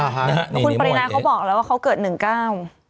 คุณปริณาท็อปฟอร์มเขาบอกแล้วว่าเขาเกิดหนึ่งก้าว